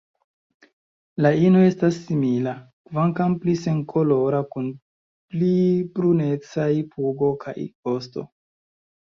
La ino estas simila, kvankam pli senkolora kun pli brunecaj pugo kaj vosto.